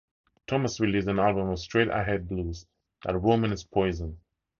Thomas released an album of straight-ahead blues, That Woman is Poison!